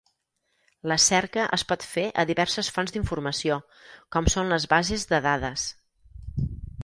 La cerca es pot fer a diverses fonts d'informació, com són les bases de dades.